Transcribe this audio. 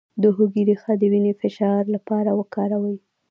د هوږې ریښه د وینې د فشار لپاره وکاروئ